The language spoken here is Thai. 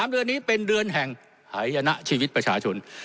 ๓เดือนนี้เป็นเดือนแห่งหายนะชีวิตประชาชน